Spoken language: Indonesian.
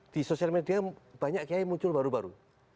di sosial media banyak kiai muncul baru baru